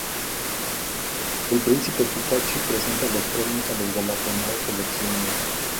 El príncipe Hitachi presenta los premios a los galardonados seleccionados.